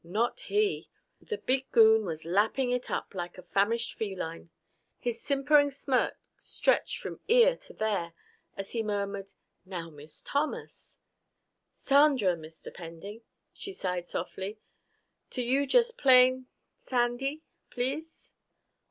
Not he! The big goon was lapping it up like a famished feline. His simpering smirk stretched from ear to there as he murmured, "Now, Miss Thomas " "Sandra, Mr. Pending," she sighed softly. "To you just plain ... Sandy. Please?"